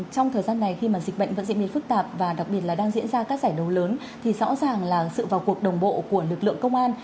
trong thời gian này khi mà dịch bệnh vẫn diễn biến phức tạp và đặc biệt là đang diễn ra các giải đấu lớn thì rõ ràng là sự vào cuộc đồng bộ của lực lượng công an